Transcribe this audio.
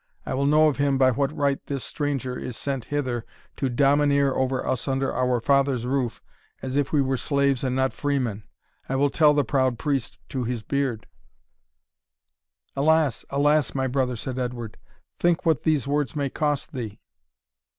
I will know of him by what right this stranger is sent hither to domineer over us under our father's roof, as if we were slaves and not freemen. I will tell the proud priest to his beard " "Alas! alas! my brother," said Edward, "think what these words may cost thee!"